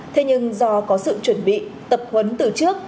thế nhưng do có sự chuẩn bị tập huấn từ trước